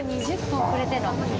２０分遅れての？